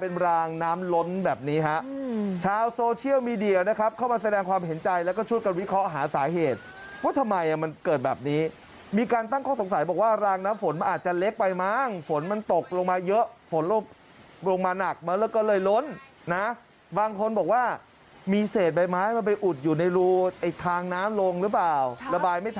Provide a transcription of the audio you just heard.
เป็นรางน้ำล้นแบบนี้ฮะชาวโซเชียลมีเดียนะครับเข้ามาแสดงความเห็นใจแล้วก็ช่วยกันวิเคราะห์หาสาเหตุว่าทำไมมันเกิดแบบนี้มีการตั้งข้อสงสัยบอกว่ารางน้ำฝนมันอาจจะเล็กไปมั้งฝนมันตกลงมาเยอะฝนลดลงมาหนักมันแล้วก็เลยล้นนะบางคนบอกว่ามีเศษใบไม้มันไปอุดอยู่ในรูไอ้ทางน้ำลงหรือเปล่าระบายไม่ท